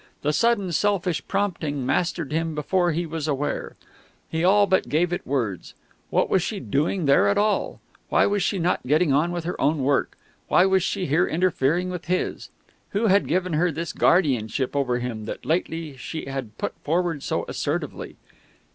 The sudden selfish prompting mastered him before he was aware. He all but gave it words. What was she doing there at all? Why was she not getting on with her own work? Why was she here interfering with his? Who had given her this guardianship over him that lately she had put forward so assertively?